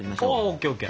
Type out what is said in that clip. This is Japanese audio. ＯＫＯＫ！